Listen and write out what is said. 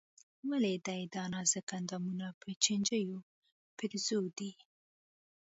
ولې دې دا نازک اندامونه په چينجيو پېرزو دي.